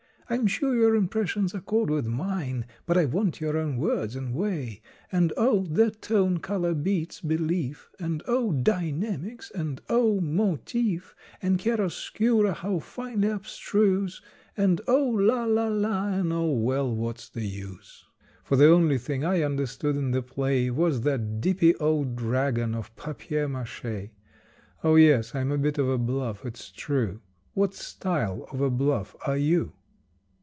"I'm sure your impressions accord with mine, But I want your own words and way. And, oh, "the tone color beats belief," And, oh, "dynamics," and oh, "motif," And "chiar oscura, how finely abstruse," And oh, la la la, and oh, well, what's the use? For the only thing I understood in the play Was that dippy, old dragon of papier maché. Oh, yes, I'm a bit of a bluff, it's true; What style of a bluff are you?